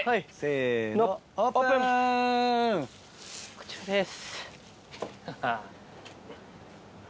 こちらです。